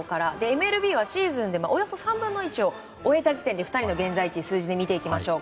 ＭＬＢはシーズンでおよそ３分の１を終えた時点で２人の現在地数字で見ていきましょう。